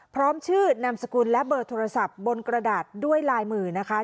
พร้อมชื่อนามสกุลและเบอร์โทรศัพท์บนกระดาษด้วยลายมือนะคะ